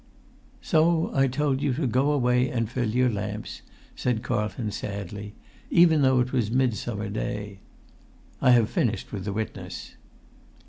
"So I told you to go away and fill your lamps," said Carlton, sadly, "even though it was Midsummer Day! I have finished with the witness."